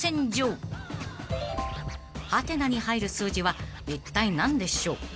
［ハテナに入る数字はいったい何でしょう］